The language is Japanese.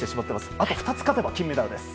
あと２つ勝てば金メダルです。